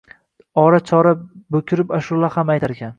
Ora – chora bo’kirib ashula ham aytarkan